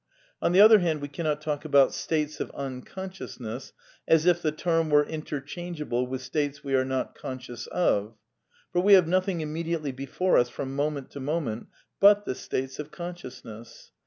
On the other hand we cannot talk about states of unr . consciousness as if the term were interchangeable with states we are not conscious of. For we have nothing im mediately before us from moment to moment but the states of consciousness.